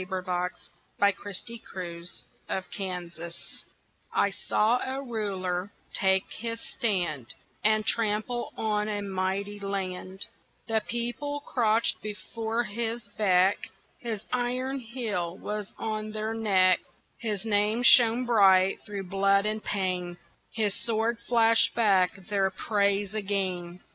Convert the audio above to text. VERSE: THE THREE RULERS I saw a Ruler take his stand And trample on a mighty land; The People crouched before his beck, His iron heel was on their neck, His name shone bright through blood and pain, His sword flashed back their praise again.